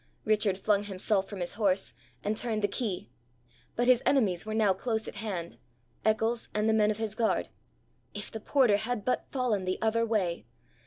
Richard flung himself from his horse, and turned the key. But his enemies were now close at hand Eccles and the men of his guard. If the porter had but fallen the other way!